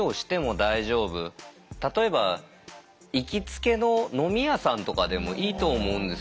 例えば行きつけの飲み屋さんとかでもいいと思うんですよ。